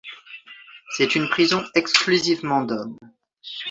C'est une prison exclusivement d'hommes.